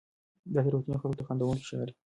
دا تېروتنې خلکو ته خندوونکې ښکاري.